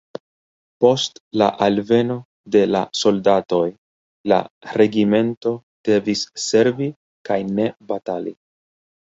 Post la alveno de la soldatoj, la regimento devis servi kaj ne batali.